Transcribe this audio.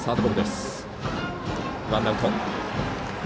ワンアウト。